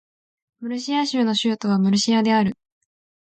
ムルシア州の州都はムルシアである